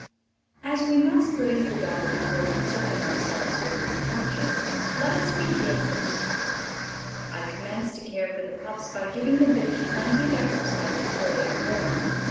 As we must raise the dog before concerning ourselves with his culture, let us begin with the pup. I commence to care for the pups by giving the bitch plenty of exercise before they are born.